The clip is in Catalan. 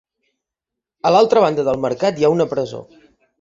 A l'altra banda del mercat hi ha una presó.